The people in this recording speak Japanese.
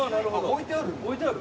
置いてある？